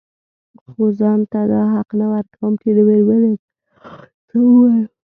خو ځان ته دا حق نه ورکوم چې د مېرمنې پر جامو څه ووايم.